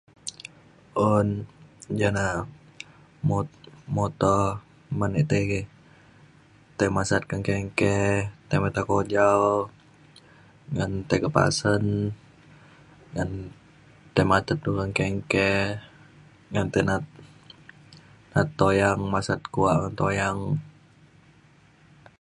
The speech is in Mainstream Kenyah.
un ja na mu- muto men e tai tai masat kenggei kenggei tai matet kujau ngan tai kak pasen ngan tai matet du kenggei kenggei ngan tai na’at tuyang masat kuak ngan tuyang